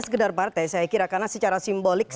sekedar partai saya kira karena secara simbolik